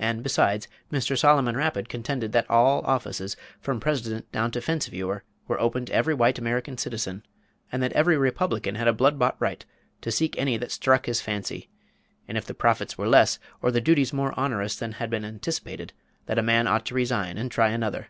And, besides, Mr. Solomon Rapid contended that all offices, from president down to fence viewer, were open to every white American citizen; and that every republican had a blood bought right to seek any that struck his fancy; and if the profits were less, or the duties more onerous than had been anticipated, that a man ought to resign and try another.